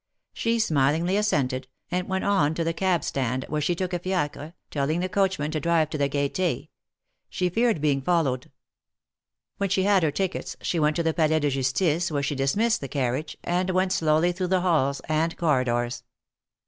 She smilingly assented, and went on to the cab stand, where she took a fiacre, telling the coach man to drive to the Gaiet6 — she feared being followed. When she had her tickets, she went to the Palais de Jus tice, where she dismissed the carriage, and went slowly through the halls and corridors.